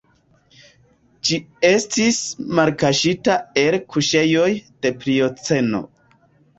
Ĝi estis malkaŝita el kuŝejoj de Plioceno.